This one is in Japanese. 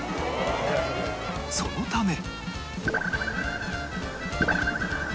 そのため